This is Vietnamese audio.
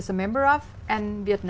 và với kế hoạch tự nhiên